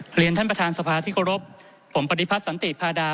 เรียนท่านประธานสภาที่เคารพผมปฏิพัฒน์สันติพาดา